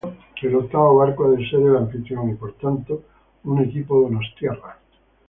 El octavo barco ha de ser el anfitrión y, por tanto, un equipo donostiarra.